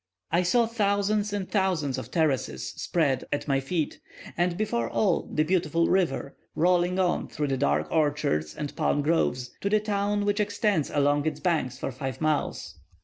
I saw thousands and thousands of terraces spread at my feet, and before all, the beautiful river, rolling on through dark orchards and palm groves, to the town, which extends along its banks for five miles.